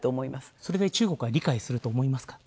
それを中国が理解すると思いますか？